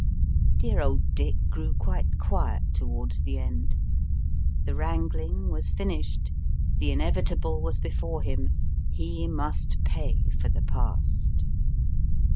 Dear old Dick grew quiet towards the end. The wrangling was finished. The inevitable was before him ; he must pay for the past.